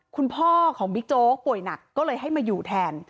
คุณพ่อของบิ๊กโจ๊กป่วยหนักก็เลยให้มาอยู่แทน